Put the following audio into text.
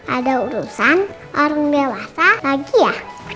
ada urusan orang dewasa lagi ya